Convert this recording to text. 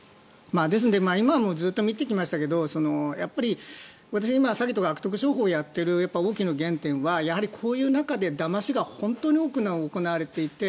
ですので今もずっと見てきましたがやっぱり私は今詐欺とか悪徳商法をやっている大きな原点はこういう中でだましが本当に多く行われていて。